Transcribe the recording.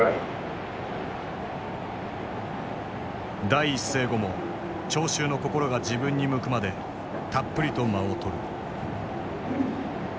第一声後も聴衆の心が自分に向くまでたっぷりと間をとる。